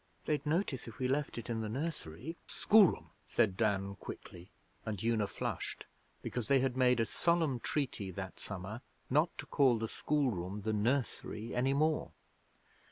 They'd notice if we left it in the nursery.' 'Schoolroom,' said Dan quickly, and Una flushed, because they had made a solemn treaty that summer not to call the schoolroom the nursery any more.